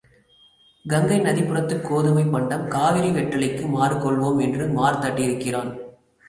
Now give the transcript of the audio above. கங்கை நதிப்புறத்துக் கோதுமைப் பண்டம் காவிரி வெற்றிலைக்கு மாறு கொள்வோம் என்று மார் தட்டியிருக்கிறான்.